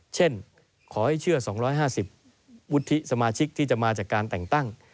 ขอให้เชื่อ๒๕๐วุฒิสมาชิกที่จะมาจากการแต่งตั้ง